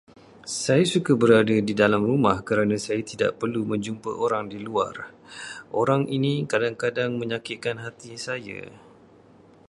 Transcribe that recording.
Saya suka berada di dalam rumah kerana saya tidak perlu berjumpa orang di luar. Orang ini kadang-kadang menyakitkan hati saya.